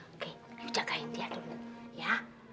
oke jagain dia dulu ya